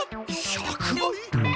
１００倍！？